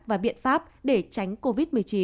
và biện pháp để tránh covid một mươi chín